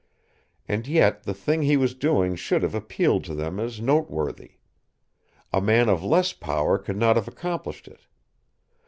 And yet, the thing he was doing should have appealed to them as noteworthy. A man of less power could not have accomplished it.